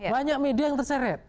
banyak media yang terseret